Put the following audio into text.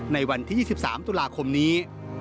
ในวันที่๒๓ตุลาคมนี้